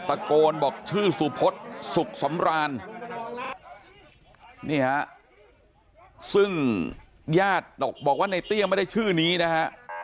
ตะโกนบอกชื่อสุพศสุขสำรานนี่ฮะซึ่งญาติบอกว่าในเตี้ยไม่ได้ชื่อนี้นะฮะ